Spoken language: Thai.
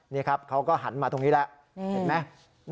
นี่ครับเขาก็หันมาตรงนี้แล้วเห็นไหม